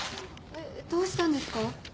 どうしたんですか？